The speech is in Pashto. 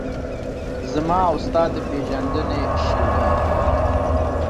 زما او ستا د پیژندنې شیبه